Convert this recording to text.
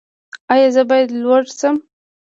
ایا زه باید لور شم؟